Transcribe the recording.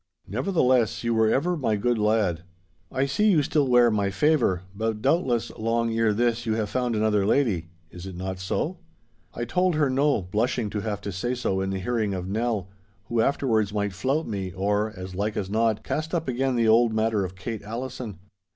Nevertheless, you were ever my good lad. I see you still wear my favour, but doubtless long ere this you have found another lady. Is it not so?' I told her no, blushing to have to say so in the hearing of Nell—who afterwards might flout me, or, as like as not, cast up again the old matter of Kate Allison.